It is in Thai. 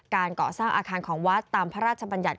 เกาะสร้างอาคารของวัดตามพระราชบัญญัติ